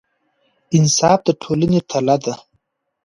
انصاف د ټولنې تله ده.